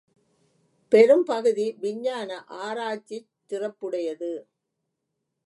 பெரும் பகுதி விஞ்ஞான ஆராய்ச்சிச் சிறப்புடையது.